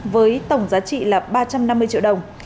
với tổng giá trị là ba trăm năm mươi triệu đồng